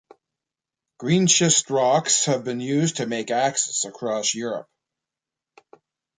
Greenschist rocks have been used to make axes across Europe.